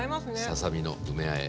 ささ身の梅あえ。